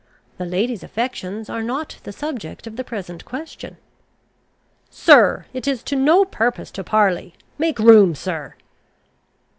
"The lady's affections are not the subject of the present question." "Sir, it is to no purpose to parley. Make room, sir!"